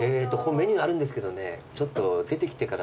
メニューあるんですけどねちょっと出てきてから。